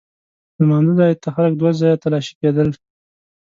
لمانځه ځای ته خلک دوه ځایه تلاښي کېدل.